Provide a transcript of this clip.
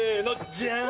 じゃーん！